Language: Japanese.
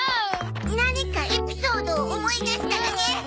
何かエピソードを思い出したらね。